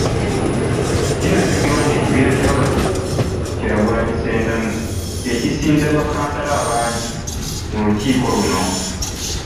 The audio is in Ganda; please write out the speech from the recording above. Kinajjukirwa nti ekibiina kya Robert Kyagulanyi Ssentamu kye kisinza bakkansala abangi mu lukiiko luno .